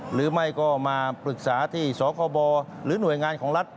หรือไม่ก็มาปรึกษาที่สคบหรือหน่วยงานของรัฐ